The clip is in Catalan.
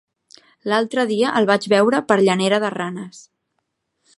L'altre dia el vaig veure per Llanera de Ranes.